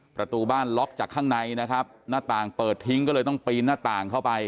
ประตูบ้านล็อกจากข้างในนะครับหน้าต่างเปิดทิ้งก็เลยต้องปีนหน้าต่างเข้าไป